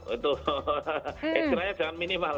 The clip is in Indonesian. itu kiranya jangan minimal